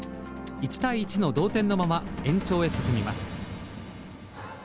１対１の同点のまま延長へ進みます。